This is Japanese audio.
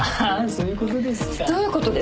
どういうことですかねえ。